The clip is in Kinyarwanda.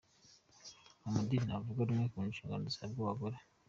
Amadini ntavuga rumwe ku nshingano zihabwa abagore.